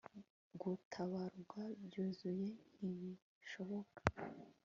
Gutabarwa byuzuye ntibishoboka